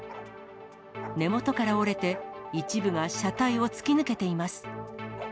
根元から折れて、一部が車体を突き抜けています。